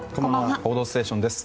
「報道ステーション」です。